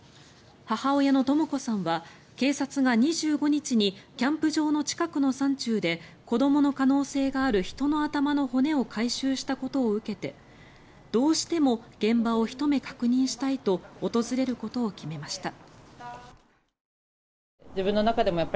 母親のとも子さんは警察が２５日にキャンプ場の近くの山中で子どもの可能性がある人の頭の骨を回収したことを受けてどうしても現場を一目確認したいと訪れることを決めました。